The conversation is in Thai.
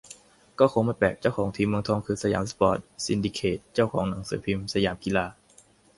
แต่ก็คงไม่แปลก เจ้าของทีมเมืองทอง คือ สยามสปอร์ต ซินดิเคต เจ้าของหนังสือพิมพ์สยามกีฬา